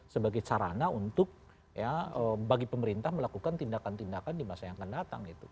sebagai sarana untuk bagi pemerintah melakukan tindakan tindakan di masa yang akan datang gitu